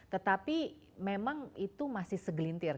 tetapi memang itu masih segelintir